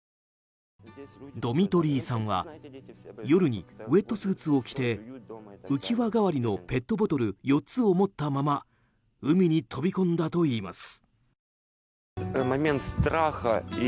ドミトリーさんは夜にウェットスーツを着て浮き輪代わりのペットボトル４つを持ったまま海に飛び込んだといいます。